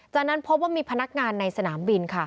จากนั้นพบว่ามีพนักงานในสนามบินค่ะ